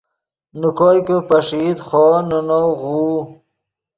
نے کوئے کہ پݰئیت خوو نے نؤ غوؤ